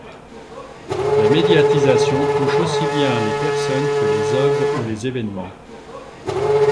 La médiatisation touche aussi bien les personnes que les œuvres ou les événements.